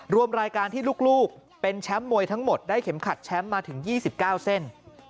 รวมรายการที่ลูกเป็นแชมป์มวยทั้งหมดได้เข็มขัดแชมป์มาถึง๒๙เส้น